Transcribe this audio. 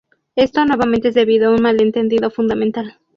Esto nuevamente es debido a un malentendido fundamental.